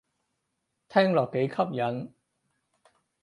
聽落幾吸引